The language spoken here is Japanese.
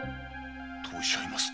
とおっしゃいますと？